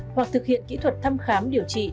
hoặc thực hiện kỹ thuật thăm khám điều trị